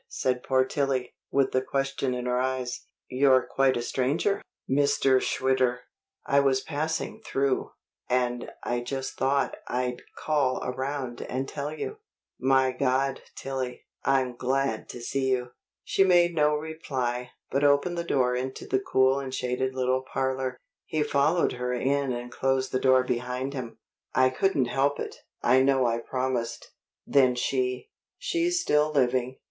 said poor Tillie, with the question in her eyes. "You're quite a stranger, Mr. Schwitter." "I was passing through, and I just thought I'd call around and tell you My God, Tillie, I'm glad to see you!" She made no reply, but opened the door into the cool and shaded little parlor. He followed her in and closed the door behind him. "I couldn't help it. I know I promised." "Then she ?" "She's still living.